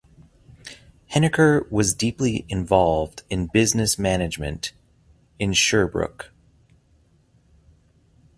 Heneker was deeply involved in business management in Sherbrooke.